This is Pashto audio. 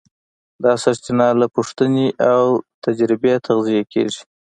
دا سرچینه له پوښتنې او تجربې تغذیه کېږي.